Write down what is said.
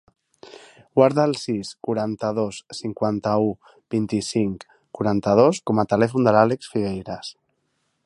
Guarda el sis, quaranta-dos, cinquanta-u, vint-i-cinc, quaranta-dos com a telèfon de l'Àlex Figueiras.